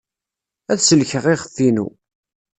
Ad sellkeɣ iɣef-inu.